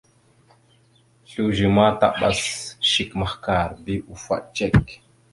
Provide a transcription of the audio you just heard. Slʉze ma taɓas shek mahəkar bi ufaɗ cek.